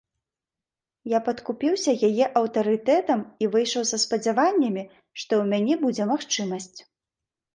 Я падкупіўся яе аўтарытэтам і выйшаў са спадзяваннямі, што ў мяне будзе магчымасць.